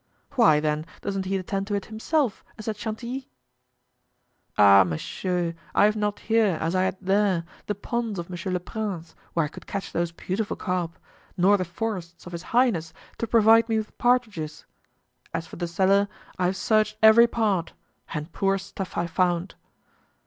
"Why, then, doesn't he attend to it himself, as at Chantilly?" "Ah, monsieur, I have not here, as I had there, the ponds of monsieur le prince, where I could catch those beautiful carp, nor the forests of his highness to provide me with partridges. As for the cellar, I have searched every part and poor stuff I found."